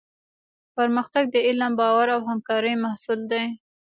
پرمختګ د علم، باور او همکارۍ محصول دی.